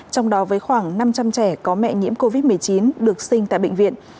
trong đó với khoảng năm trăm linh trẻ có mẹ nhiễm covid một mươi chín được sinh tại bệnh viện